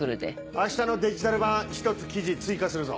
明日のデジタル版１つ記事追加するぞ。